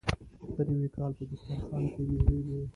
د نوي کال په دسترخان کې میوه وي.